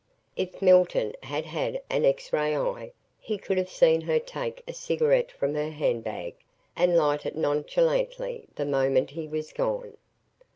If Milton had had an X ray eye he could have seen her take a cigarette from her handbag and light it nonchalantly the moment he was gone.